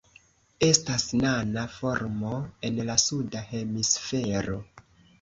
Estas nana formo en la Suda Hemisfero.